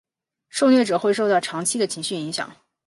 受虐者会受到长期的情绪影响。